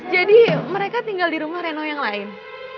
jadi mereka tinggal di rumah reno yang lain